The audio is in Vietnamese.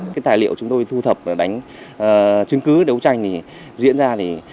cái tài liệu chúng tôi thu thập để đánh chứng cứ đấu tranh diễn ra thì